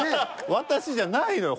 私じゃないのよ